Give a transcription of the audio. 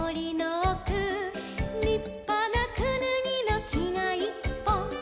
「りっぱなくぬぎのきがいっぽん」